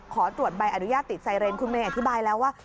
ขอตรวจใบอนุญาตติดไซเรนคุณเมย์อธิบายแล้วว่า